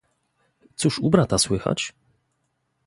"Cóż u brata słychać?"